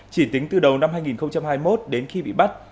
chỉ tính từ đầu năm hai nghìn hai mươi một đến khi bị bắt